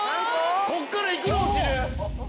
ここからいくら落ちる？